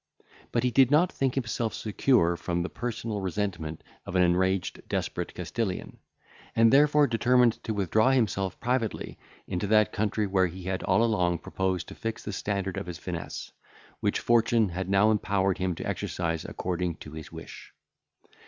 —But he did not think himself secure from the personal resentment of an enraged desperate Castilian; and therefore determined to withdraw himself privately into that country where he had all along proposed to fix the standard of his finesse, which fortune had now empowered him to exercise according to his wish.